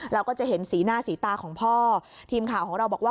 เราก็จะเห็นสีหน้าสีตาของพ่อทีมข่าวของเราบอกว่า